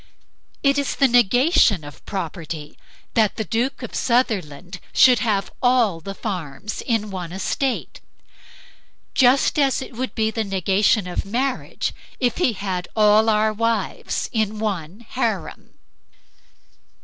It is the negation of property that the Duke of Sutherland should have all the farms in one estate; just as it would be the negation of marriage if he had all our wives in one harem.